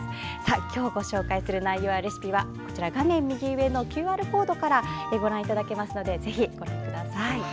今日ご紹介する内容やレシピは画面右上のＱＲコードからご覧いただけますのでぜひ、ご覧ください。